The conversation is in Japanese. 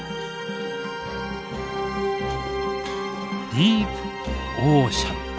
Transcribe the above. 「ディープオーシャン」。